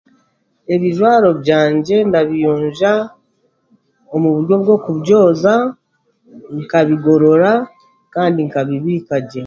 Ebijwaro byangye ndabiyonja omu buryo bw'okubyoza nkabigorora kandi nkabibiika gye.